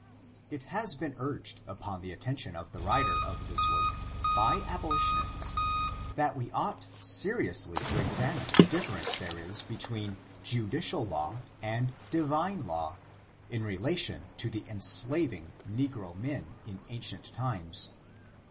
It has been urged upon the attention of the writer of this work, by abolitionists, that we ought serious ly to examine the difference there is between Judi* rial law and Divine laiD, in relation to the enslaving negro men in ancient times.